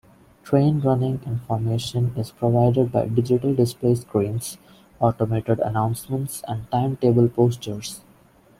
Train running information is provided by digital display screens, automated announcements and timetable posters.